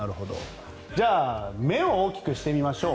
じゃあ目を大きくしてみましょう。